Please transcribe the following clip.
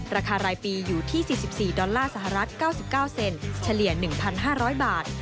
ราคารายปีอยู่ที่๔๔ดอลลาร์สหรัฐ๙๙เซนเฉลี่ย๑๕๐๐บาท